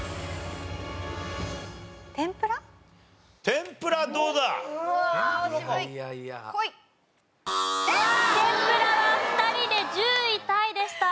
天ぷらは２人で１０位タイでした。